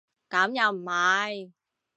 咁又唔係